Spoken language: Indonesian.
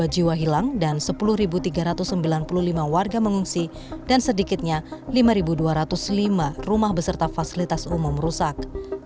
dua puluh jiwa hilang dan sepuluh tiga ratus sembilan puluh lima warga mengungsi dan sedikitnya lima dua ratus lima rumah beserta fasilitas umum rusak